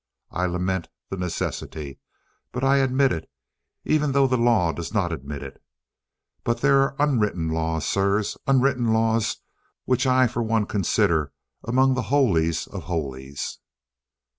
I lament the necessity, but I admit it, even though the law does not admit it. But there are unwritten laws, sirs, unwritten laws which I for one consider among the holies of holies."